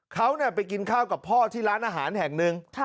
เขาไปกินข้าวกับพ่อที่ร้านอาหารแห่งหนึ่ง